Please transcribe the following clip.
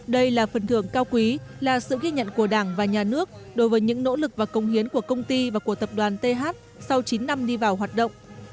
đây là phần thưởng cao quý là sự ghi nhận của đảng và nhà nước đối với những nỗ lực và công hiến của công ty và của tập đoàn th sau chín năm đi vào hoạt động